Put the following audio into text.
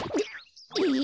え？